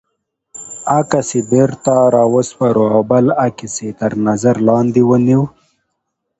عکس یې بېرته را و سپاره او بل عکس یې تر نظر لاندې ونیوه.